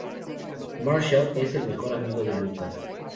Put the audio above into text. Marshall es el mejor amigo de Lucas.